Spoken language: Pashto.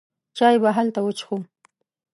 چای به هلته وڅښو.